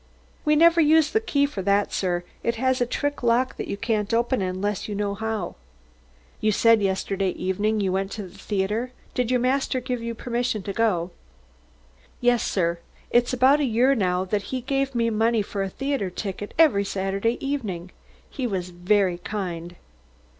"We never use the key for that, sir. It has a trick lock that you can't open unless you know how." "You said you went to the theatre yesterday evening. Did your master give you permission to go?" "Yes, sir. It's about a year now that he gave me money for a theatre ticket every Saturday evening. He was very kind."